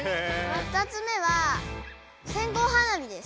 ２つ目は線香花火です。